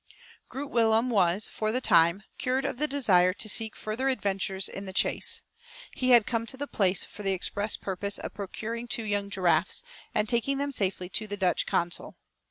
Groot Willem was, for the time, cured of the desire to seek further adventures in the chase. He had come to the place for the express purpose of procuring two young giraffes, and taking them safely to the Dutch consul.